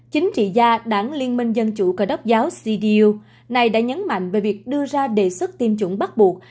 chính trị gia đảng liên minh dân chủ cơ đốc giáo cdu này đã nhấn mạnh về việc đưa ra đề xuất tiêm chủng bắt buộc